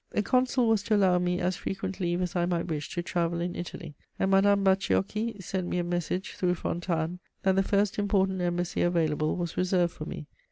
The Consul was to allow me as frequent leave as I might wish to travel in Italy, and Madame Bacciochi sent me a message through Fontanes that the first important embassy available was reserved for me.